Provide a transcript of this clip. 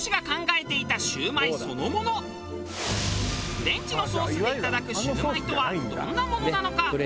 フレンチのソースでいただくシュウマイとはどんなものなのか？